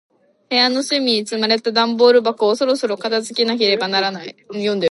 部屋の隅に積まれた段ボール箱を、そろそろ片付けなければならない。